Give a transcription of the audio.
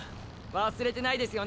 忘れてないですよね